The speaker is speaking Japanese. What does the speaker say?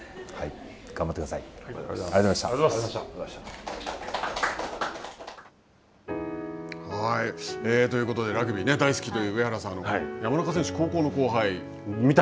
頑張ってください。ということで、ラグビー大好きという上原さん山中選手、高校の後輩。